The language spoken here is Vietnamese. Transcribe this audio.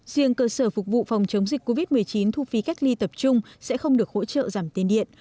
riêng cơ sở phục vụ phòng chống dịch covid một mươi chín thu phí cách ly tập trung sẽ không được hỗ trợ giảm tiền điện